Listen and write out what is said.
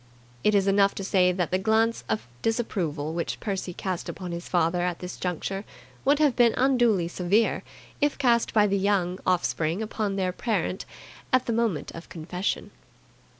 It is enough to say that the glance of disapproval which Percy cast upon his father at this juncture would have been unduly severe if cast by the Young offspring upon their parent at the moment of confession.